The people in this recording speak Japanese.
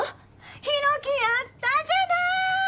広樹やったじゃない！